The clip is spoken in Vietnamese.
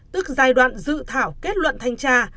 tức giai đoạn dự thảo kết luận thanh tra